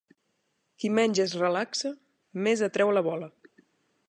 Qui menys es relaxa, més atreu la bola.